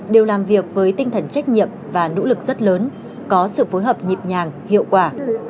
đều làm việc với tinh thần trách nhiệm và nỗ lực rất lớn có sự phối hợp nhịp nhàng hiệu quả